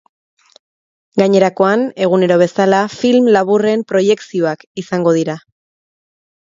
Gainerakoan, egunero bezala, film laburren proiekzioak izango dira.